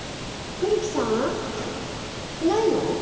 古木さん？いないの？